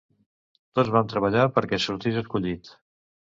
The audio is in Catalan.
Tots vam treballar perquè sortís escollit.